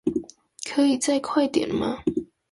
可以再快點嗎